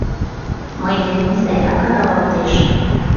Мый денем сайрак аралалтеш.